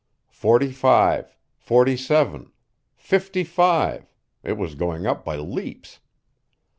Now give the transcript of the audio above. Forty five forty seven fifty five it was going up by leaps.